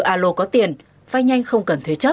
a lô có tiền vay nhanh không cần thuê chấp